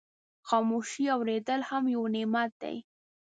خاموشي اورېدل هم یو نعمت دی.